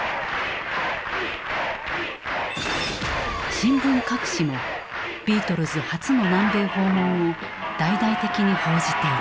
新聞各紙もビートルズ初の南米訪問を大々的に報じていた。